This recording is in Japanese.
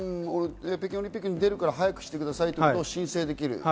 北京オリンピックに出るから早くしてくださいってことを申請できる。